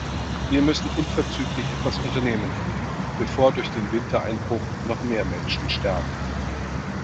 Wir müssen unverzüglich etwas unternehmen, bevor durch den Wintereinbruch noch mehr Menschen sterben.